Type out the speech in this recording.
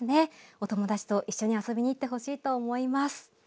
お友達と一緒に遊びに行ってほしいと思います。